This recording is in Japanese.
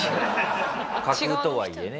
架空とはいえね